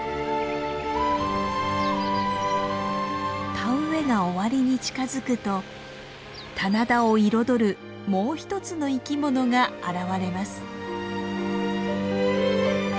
田植えが終わりに近づくと棚田を彩るもう一つの生き物が現れます。